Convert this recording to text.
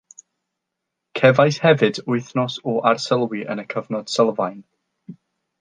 Cefais hefyd wythnos o arsylwi yn y cyfnod sylfaen